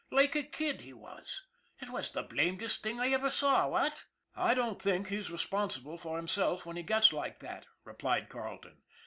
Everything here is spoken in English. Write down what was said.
Like a kid, he was. It was the blamedest thing I ever saw, what? "" I don't think he's responsible for himself when he gets like that," replied Carleton.